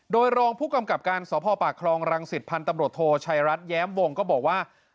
โดยรองผู้กำกับการสพปากคลองรังสิตพันธ์ตำรวจโทชัยรัฐแย้มวงก็บอกว่า